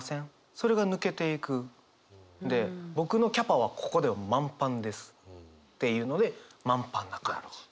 それが抜けていくんで僕のキャパはここで満パンですっていうので満パンな感じ。